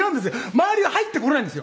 周りは入ってこれないんですよ。